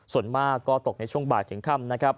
ส่วนมากก็ตกในช่วงบ่ายถึงค่ำ